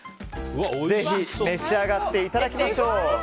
ぜひ召し上がっていただきましょう。